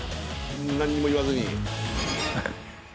何も言わずに。